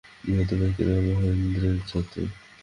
নিহত ব্যক্তিরা মাহেন্দ্রের যাত্রী।